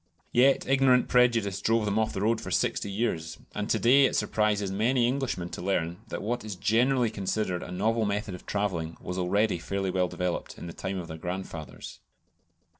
Yet ignorant prejudice drove them off the road for sixty years; and to day it surprises many Englishmen to learn that what is generally considered a novel method of travelling was already fairly well developed in the time of their grandfathers.